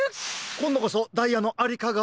こんどこそダイヤのありかが？